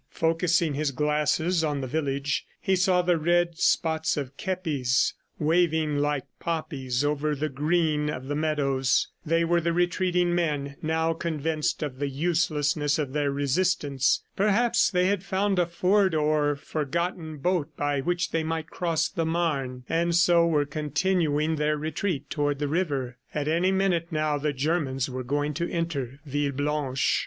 ... Focussing his glasses on the village, he saw the red spots of kepis waving like poppies over the green of the meadows. They were the retreating men, now convinced of the uselessness of their resistance. Perhaps they had found a ford or forgotten boat by which they might cross the Maine, and so were continuing their retreat toward the river. At any minute now the Germans were going to enter Villeblanche.